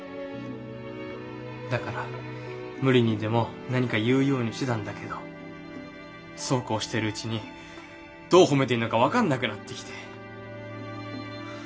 だから無理にでも何か言うようにしてたんだけどそうこうしてるうちにどう褒めていいのか分かんなくなってきて。